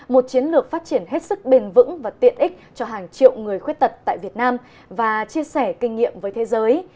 một chiến lược phát triển hết sức bền vững và tiện ích cho hàng triệu người khuyết tật tại việt nam và chia sẻ kinh nghiệm với thế giới